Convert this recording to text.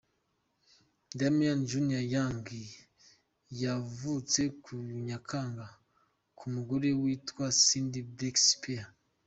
Damian Junior Gong yavutse ku ya Nyakanga , ku mugore witwa Cindy Breakspeare.